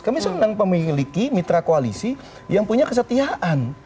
kami senang memiliki mitra koalisi yang punya kesetiaan